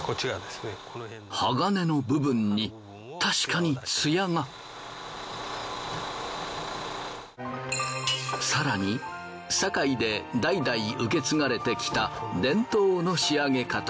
鋼の部分に確かに艶が。更に堺で代々受け継がれてきた伝統の仕上げ方が。